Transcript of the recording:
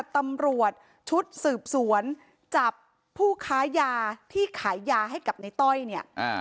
ตำรวจชุดสืบสวนจับผู้ค้ายาที่ขายยาให้กับในต้อยเนี่ย